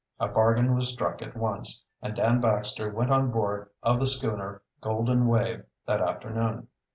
A bargain was struck at once, and Dan Baxter went on board of the schooner Golden Wave that afternoon.